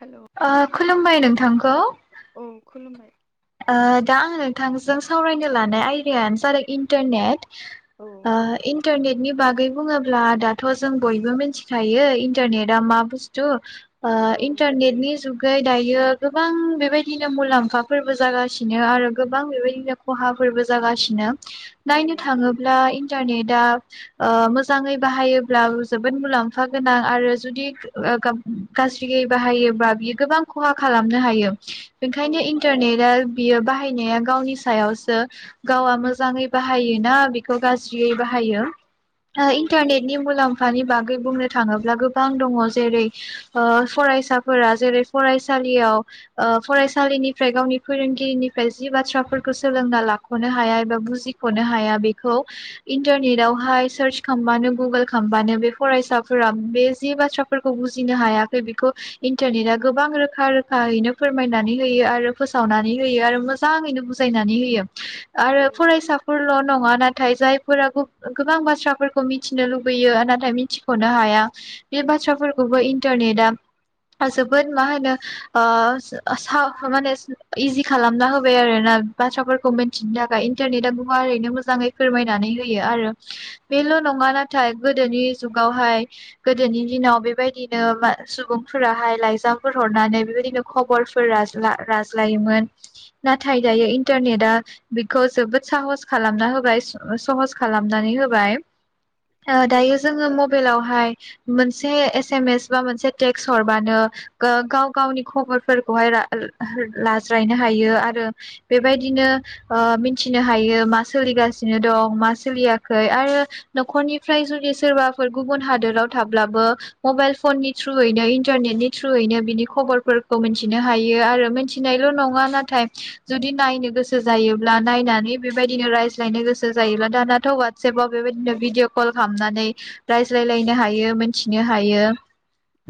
हेल' औ ओह खुलुमबाय नोंथांखौ। औ खुलुमबाय ओह दा आङो नोंथांजों सावरायनो लानाय आयदायानो जादों इन्टारनेट। औ ओह इन्टारनेटनि बागै बुङोब्ला दाथ' जों बयबो मिथिखायो इन्टारनेटा मा बुस्थु ओ इन्टारनेट नि जुग दायो गोबां बेबायदिनो मुलाम्फाफोर बो जागासिनो आरो गोबां बेबायदिनो खहाफोरबो जागासिनो औ नायनो थाङोब्ला इन्टारनेटा मोजाङै बाहायोब्ला जोबोद मुलाम्फा गोनां आरो जुदि गाज्रियै बाहायोब्ला बियो गोबां खहा खालामनो हायो औ बेखायनो इन्टारनेटआ बियो बाहायनाया गावनि सायावसो गावआ मोजाङै बाहायोना बेखौ गाज्रियै बाहायो था औ इन्टारनेटनि नि मुलाम्फ फानि बागै बुंनो थाङोब्ला गोबां दङ जेरै ओ फरायसाफोरा जेरै फरायसालियाव ओफरायसालिनि फ्राय गावनि फोरोंगिरिनिफ्राय जि बाथ्राफोरखौ सोलोंना लाख'नो हाया एबा बुजिख'नो हाया बेखौ इन्टारनेटावहाय सार्च खालामबानो गुगोल खालामबानो बे फरायसाफोरा बे जि बाथ्राफोरखौ बुजिनो हायाखै बेखौ इन्टारनेटआ गोबां रोखा रोखायैनो फोरमायनानै होयो आरो फोसावनानै होयो आरो मोजाङैनो बुजायनानै होयो औ आरो फरायसाफोरल' नङाना नाथाय जायफोरा गोबां बाथ्राफोरखौ मिथिनो लुबैयो नाथाय मिथिख'नो हाया बे बाथ्राफोरखौबो इन्टारनेटा जोबोद मा होनो स माने इजि खालामना होबाय आरो ना बाथ्राफोरखौ मिथिनो थाखाय इन्टारनेट आ गुवारैनो मोजाङै फोरमायनानै होयो आरो बेल' नङा नाथाय गोदोनि जुगावहाय गोदोनि दिनाव बेबायदिनो सुबुंफोराहाय लाइजामफोर हरनानै बेबायदिनो खबरफोर नाथाय दायो इन्टारनेट आ बेखौ जोबोद साहस खालामना होबाय सहस खालामनानै होबाय ओ औ दायो जोङो मबाइलाव हाय मोनसे एसेमेस बा मोनसे थेटस हरबानो गाव गावनि खबर फोरखौ हाय [unintelligible] लाज्रायनो हायो आरो बेबायदिनो मिथिनो हायो मा सोलिगासिनो दं मा सोलियाखै आरो न'खरनिफ्राय जुदि सोरबाफोर गुबुन हादोराव थाब्लाबो मबाइल फननि थ्रुयैनो इन्टारनेटनि थ्रुयैनो बिनि खबरफोरखौ मिथिनो हायो आरो थि मिथिनायल' नङा नाथाय जुदि नायनो गोसो जायोब्ला नायनानै बेबायदिनो रायज्लायनो गोसो जायोब्ला दानाथ' वाट्सेपाव बेबायदिनो भिडिअ कल खालामनानै रायज्लायलायनो हायो मोनथिनो हायो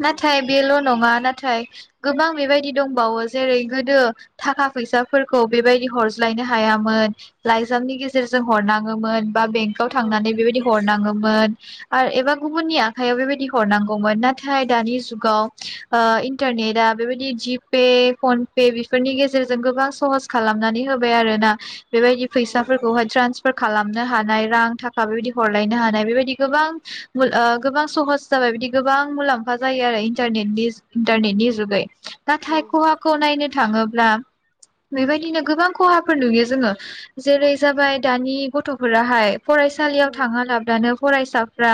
औ नाथायबिल' नङा ना नाथाय गोबां बेबायदि दंबावो जेरै गोदो थाखा फैसाफोरखौ बेबायदि हरज्लायनो हायामोन लाइजामनि गेजेरजों हरनाङोमोन बा बेंकव थांनानै बेबायदि हरनाङोमोन आरो एबा गुबुननि आखायाव बेबायदि हरनांगौमोन नाथाय दानि जुगाव ओ इन्टारनेटआ बेबायदि जिपे फन बे बेफोरनि गेजेरजों गोबां सहस खालामनानै होबाय आरो ना बेबायदि फैसाफोरखौहाय ट्रन्सफार खालाम लामनो हानाय रां थाखा बेबायदि हरलायनो हानाय बेबायदि गोबां गोबां सहस जाबाय बिदि गोबां मुलाम्फा जायो आरो इन्टारनेटनि इन्टारनेटनि जुगै नाथाय खहाखौ नायनो थाङोब्ला बेबायदिनो गोबां खहाफोर नुयो जोङो जेरै जाबाय दानि गथ'फोराहाय फरायसालियाव थाङा लाबदानो फरायसा फ्रा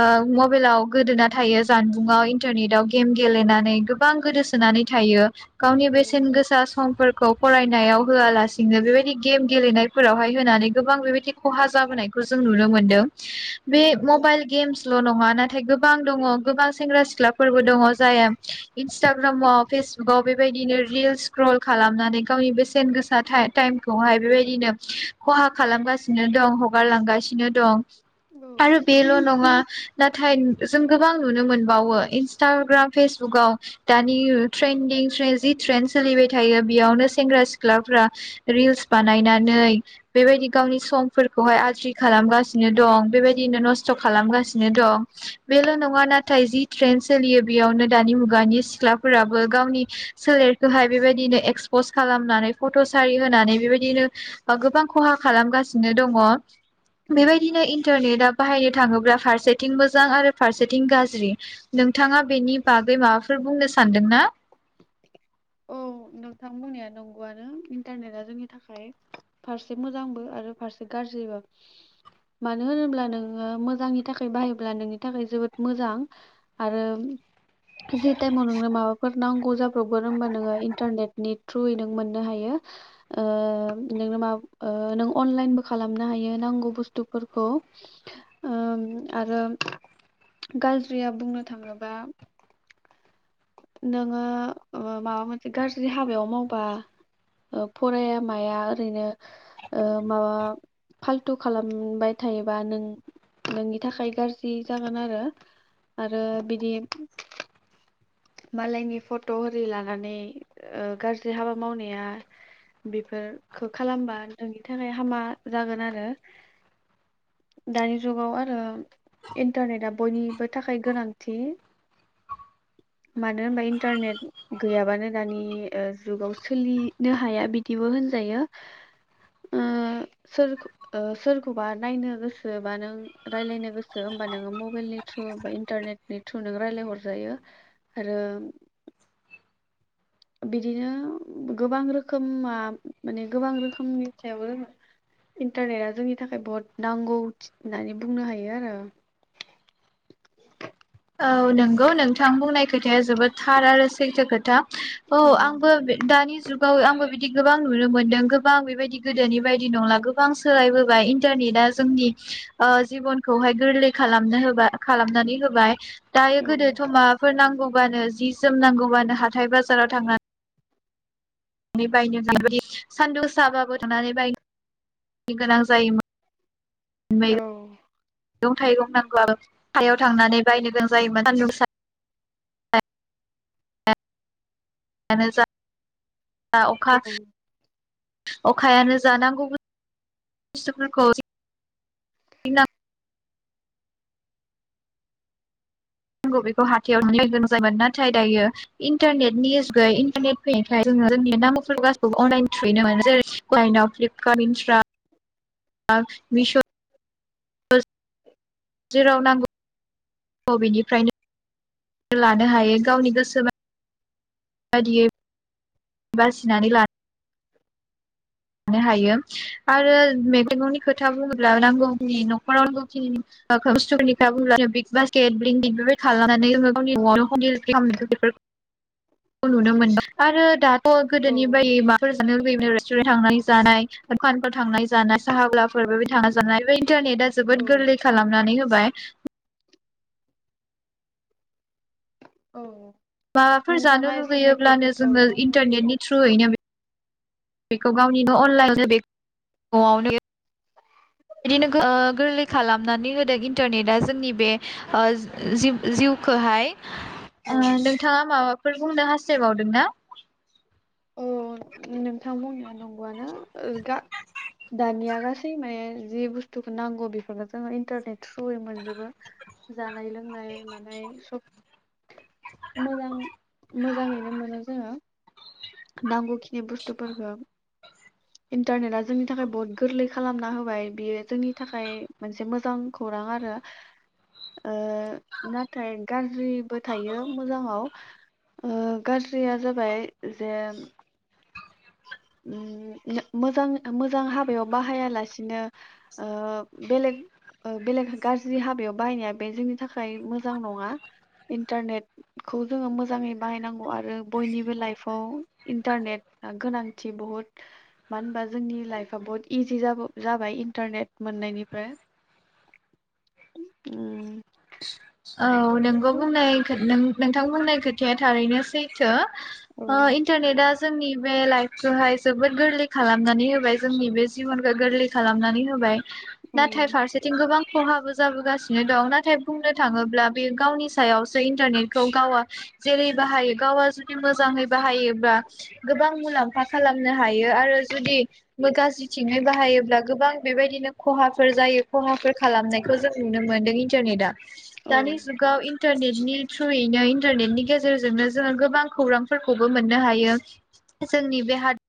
ओ मबाइलाव गोदोना थायो जानबुंव इन्टारनेटव गेम गेलेनानै गोबां गोदोसोनानै थायो गावनि औ बेसे सेन गोसा समफोरखौ फरायनायाव होआलासिनो बेबायदि गेम गेलेनायफोरावहाय होनानै गोबां बेबायदि खहा जाबोनायखौ जों नुनो मोन्दों बे मबाइल गेम्स ल' नङा नाथाय गोबां दङ' गोबां सेंग्रा सिख्लाफोरबो दङ' जाया इनस्टाग्राम आव फेसबुक आव बेबायदिनो रिल स्क्रल खालामनानै गावनि बेसेन गोसा टाइमखौहाय बेबायदिनो खहा खालामगासिनो दं हगारलांगासिनो दं औ आरो बेल' नङा नाथाय जों गोबां नुनो मोनबावो इन्सटाग्राम फेसबुकाव दानि ट्रेन्दिं थ्रेजि ट्रेेन सोलिबाय थायो बेयावनो सेंग्रा सिख्लाफ्रा रिल्स बानायनानै बेबायदि गावनि समफोरखौहाय आज्रि खालामगासिनो दं बेबायदिनो नस्थ' खालामगासिनो दं बेल' नङा नाथाय जि ट्रेेन सोलियो बेयावनो दानि मुगानि सिख्लाफोराबो गावनि सोलेरखौहाय बेबायदिनो एक्सपस खालामनानै फट' सारि होनानै बेबायदिनो गोबां खहा खालामगासिनो दङ औ बेबायदिनो इन्टारनेटआ बाहायनो थाङोब्ला फारसेथिं मो मोजां आरो फारसेथिं गाज्रि नोंथाङा बेनि बागै माबाफोर बुंनो सानदोंना औ नोंथांमोननाया नंगौनो इन्टारनेटआ जोंनि थाखाय फारसे मोजांबो आरो फारसे गाज्रिबो मानो होनोब्ला नोङो मोजांनि थाखाय बाहायोब्ला नोंनि थाखाय जोबोद मोजां आरो जि टाइमाव नोंनो माबाफोर नांगौ जाब्रबो मानो होनबा नोङो इन्टारनेटनि थ्रुयै नों मोननो हायो नोंनो मा नों अनलाइनबो खालामनो हायो नांगौ बुस्थुफोरखौ आरो गाज्रिया बुंनो थाङोबा नोङो माबा मोनसे गाज्रि हाबायाव मावबा फराया माया ओरैनो माबा फाल्थु खालामबाय थायोबा नों नोंनि थाखाय गाज्रि जागोन आरो आरो बिदि मालायनि फट' आररि लानानै गाज्रि हाबा मावनाया बेफोरफोरखौ खालामबा नोंनि थाखाय हामा जागोन आरो दानि जुगाव आरो इन्टारनेटआ बयनिबो थाखाय गोनांथि मानो होनबा इन्टारनेट गैयाबानो दानि जुगाव सोलिनो हाया बिदिबो होनजायो सोर सोरखौबा नायनो गोसो बा नों रायलायनो गोसो हबा नोङो मबाइलनि थ्रु बा इन्टारनेटनि थ्रु नों राय्लायहरजायो आरो बिदिनो गोबां रोखोमा माने गोबां रोखोमनि सायावो इन्टारनेटआ जोंनि थाखाय बहुत नांगौ होननानै बुंनो हायो आरो औ नोंगौ नोंथां बुंनायखौ जोबोद थार आरो सैथो खोथा औ आंबो दानि जुाव आंबो बि बि गोबां नुनो मोनदों गोबां बेबायदि गोदोनि बायदि नंला गोबां सोलायबोबाय इन्टारनेटआ जोंनि जिबनखौहाय गोरलै खालामनो होबाय खालामनानै होबाय दायो गोदोथ' औ माबाफोर नांगौ बानो जि जोम नांगौबानो हाथाय बाजाराव थांना नानै बायनो [unintelligible] सानदुंसाबाबो थांनानै बायनो गोनां जायोमोन मै औ मैगं थाइगं नांगौ सायाव थांनानै बायनो गोनां जायोमोन सान्दुंसा आना जा बा अखा औ अखायानो जानांगौ बुस्थफोरखौ आंग बेखौ हाथायाव नुनो गोनां जायोन नाथाय दायो इन्टारनेटनि जुगै इन्टारनेट फैयनायखाय जोङो जोंनि नामौ गासिखौबो अनलाइन थ्रुैनो मोनो जेरै काइनाव फ्लिपकार्ट इन्स्ट्रा बिस' जेराव नांगौ बेेनिफ्रायनो लानो हायो गावनि गोसोबा आरियो बासिनानै लानो लानो हायो आरो मेगंगंनि खोथा बुङोब्ला नांगौनि न'खराव नांगौखिनि बुस्थुफोरनि ख बु्ला बिग बास्केट बेबायदि खालामनानै गनि न'नो खालाम बे नुनो मोनदों आरो दा अ औ गोदोनि बै माफोर बेनो रेस्टुरे थांनाय जानाय दखानफोराव थांनाय जानाय साहाबलाफोरबो थांनाय जानाय बे इन्टारनेटा औ जोबोद गोरलै खालामनानै होबाय औ माबाफोर जानो नोंथाङा एसे नेटवर्कनि लुुबैयोब्लानो जोङो प्रब्लेम होदों नामा? इन्टारनेटनि थ्रुयैनो बेखौ गावनि न' अनलाइन बे न'आवनो बेबायदिनो गोरलै खालामनानै होदों इन्टारनेटआ जोंनि बे जि जिउखौहाय औ नोंथाङा माबा फोर बुंनो हास्थायबावदों ना औ नोंथां बुंनाय दं [unintelligible] [unintelligible] जि बुस्थुखौ नांगौ बेफोरखौ जोङो इन्टारनेट थ्रुयै मोनजोबो जा नाय लोंनाय मानाय सब मोजां मोजाङैनो मोनो जोङो नांगौखिनि बुस्थुफोरखौ इन्टारनेटआ जोंनि थाखाय बहुत गोरलै खालामना होबाय बियो जोंनि थाखाय मोनसे मोजां खौरां आरो ओ नाथाय गाज्रि बो थायो मोजाङाव ओ गाज्रिया जाबाय जे मोजां मोजां हाबायाव बाहायालासिनो ओ बेलेग बेलेग गाज्रि हाबायाव बाहायनाया बे जोंनि थाखाय मोजां नङा इन्टारनेटखौ जोङो मोजाङै बाहायनांगौ आरो बयनिबो लाइफआव इन्टारनेट गोनांथि बहुत मानो होनबा जोंनि लाइफआ बहुत इजि जाब जाबाय इन्टारनेट मोननायनिफ्राय औ नोंगौ बुंनाय नों नोंथां होननाय खोथाया थारैनो सैथो औ ओ इन्टारनेटआ जोंनि बे लाइफखौहाय जोबोद गोरलै खालामनानै होबाय जोंनि बे जिबनखौ गोरलै खालामनानै होबाय नाथाय औ फारसेथिं गोबां खहाबो जाबोगासिनो दं नाथाय बुंनो थाङोब्ला बे गावनि सायावसो इन्टारनेटखौ गावा जेरै बाहायो गावा जुदि मोजाङै बाहायोब्ला गोबां मुलाम्फा खालामनो ह हायो आरो जुदि गाज्रिथिङै बाहायोब्ला गोबां बेबायदिनो खहाफोर जायो खहाफोर खालामनायखौ जों नुनो मोनदों इन्टारनेट आ औ दानि जुगाव इन इन्टारनेटनि थ्रुयैनो इन्टारनेटनि गेजेरजोंनो जोङो गोबां खौरांफोरखौबो मोननो हायो जोंनि बे हादर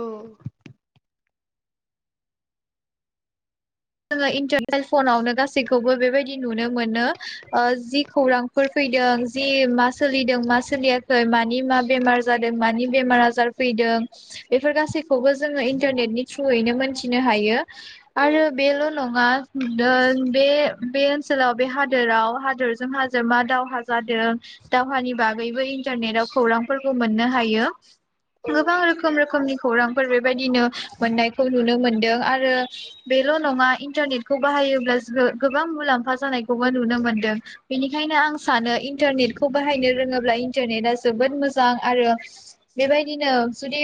औ जोङो इन्टारेल फनावनो गासैखौबो बेबायदि नुनो मोनो जि खौरांफोर फैदों जि मा सोलिदों मा सोलियाखै मानि मा बेमार जादों मानि बेमार आजार फैदों बेफोर गासैखौबो जोङो इन्टारनेटनि थ्रुयैनो मोनथिनो हायो औ आरो नङा बे बे ओनसोलाव बे हादोराव हादोरजों हादोर मा दावहा जादों दावहानि बागैबो इन्टारनेटाव खौरांफोरखौ मोननो हायो गोबां औ रोखोम रोखोमनि खौरांफोर बेबायदिनो मोननायखौ नुनो मोनदों आरो बेल' नङा इन्टारनेटखौ बाहायोब्ला जो गोबां मुलाम्फा जानायखौबो नुनो मोनदों बेनिखायनो आं सानो इन्टारनेटखौ बाहायनो रोङोब्ला इन्टारनेटआ जोबोद मोजां आरो बेबायदिनो जुदि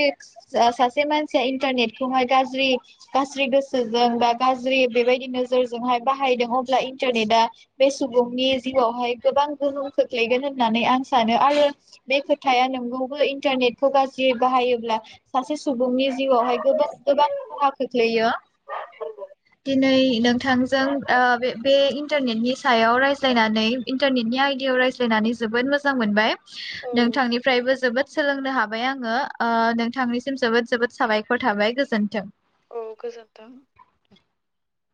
सासे मानसिया इन्टारनेटखौहाय गाज्रि गाज्रि गोसो जों बा गाज्रि बेबायदि नोजोरजोंहाय बाहायदों अब्ला इन्टारनेटआ बे सुबुंनि जिउआवहाय गोबां गोहोम खोख्लैगोन होननानै आं सानो आरो बे खोथाया नोंगौबो इन्टारनेटखौ गाज्रि बाहायोब्ला सासे सुबुंनि जिउआवहाय गोबां खहा खोख्लैयो दिनै नोंथांजों बे बे इन्टारनेटनि सायाव रायज्लायनानै इन्टारनेटनि आयदिायाव रायज्लायनानै जोबोद मोजां मोनबाय नोंथांनिफ्रायबो जोबोद सोलोंनो हाबाय आङो नोंथांनिसिम जोबोद जोबोद साबायखर थाबाय गोजोन्थों औ गोजोथों [inaudible]